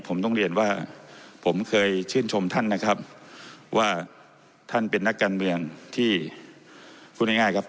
ผมต้องเรียนว่าผมเคยชื่นชมท่านนะครับว่าท่านเป็นนักการเมืองที่พูดง่ายครับ